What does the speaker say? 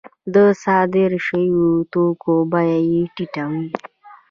د صادر شویو توکو بیه یې ټیټه وي